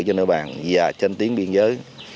cho nơi bàn và trên tiến biên giới